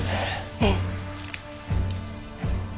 ええ。